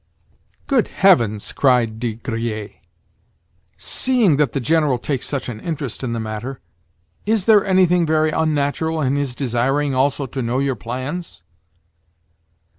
"Good heavens!" cried de Griers. "Seeing that the General takes such an interest in the matter, is there anything very unnatural in his desiring also to know your plans?"